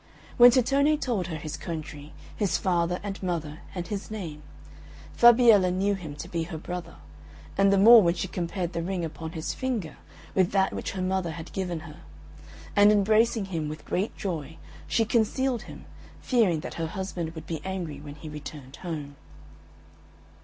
When Tittone told her his country, his father and mother, and his name, Fabiella knew him to be her brother, and the more when she compared the ring upon his finger with that which her mother had given her; and embracing him with great joy, she concealed him, fearing that her husband would be angry when he returned home.